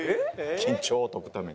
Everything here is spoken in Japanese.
緊張を解くためにね。